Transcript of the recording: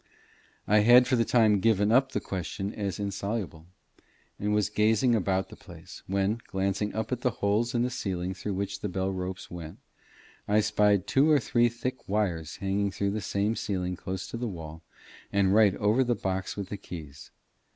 I had for the time given up the question as insoluble, and was gazing about the place, when, glancing up at the holes in the ceiling through which the bell ropes went, I spied two or three thick wires hanging through the same ceiling close to the wall, and right over the box with the keys.